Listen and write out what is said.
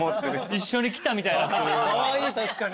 一緒に来たみたいになってる。